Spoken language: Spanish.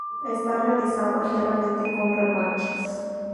Está realizado enteramente con remaches.